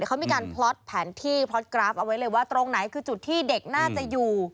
เขามีการพล็อตแผนที่พล็อตกราฟเอาไว้เลยว่าตรงไหนคือจุดที่เด็กน่าจะอยู่